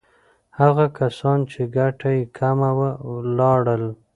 هغه کسان چې ګټه یې کمه وه، لاړل.